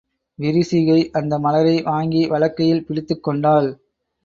விரிசிகை அந்த மலரை வாங்கி வலக்கையில் பிடித்துக் கொண்டாள்.